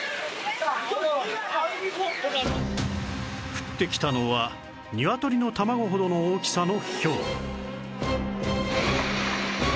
降ってきたのはニワトリの卵ほどの大きさのひょう